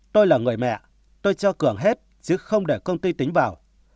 tôi là người mẹ tôi cho cường hết chứ không để công ty tính vào